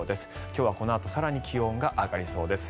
今日はこのあと更に気温が上がりそうです。